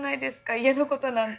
家のことなんて。